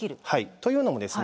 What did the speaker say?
というのもですね